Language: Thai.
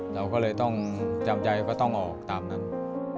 เราก็เลยต้องจำใจว่าต้องออกตามนั้น